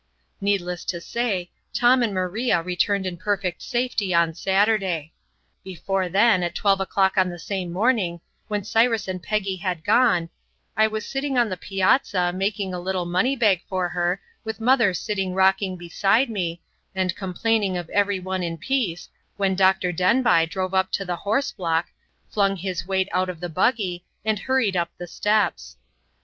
Needless to say, Tom and Maria returned in perfect safety on Saturday. Before then, at twelve o'clock on the same morning, when Cyrus and Peggy had gone, I was sitting on the piazza making a little money bag for her, with mother sitting rocking beside me, and complaining of every one in peace, when Dr. Denbigh drove up to the horse block, flung his weight out of the buggy, and hurried up the steps.